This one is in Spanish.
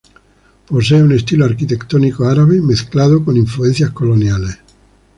Posee un estilo arquitectónico árabe, mezclado con influencias coloniales.